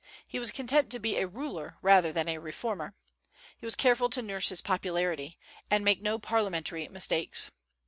He was content to be a ruler rather than a reformer. He was careful to nurse his popularity, and make no parliamentary mistakes.